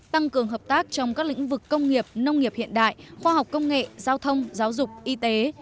tăng cường hợp tác trong các lĩnh vực công nghiệp nông nghiệp hiện đại khoa học công nghệ giao thông giáo dục y tế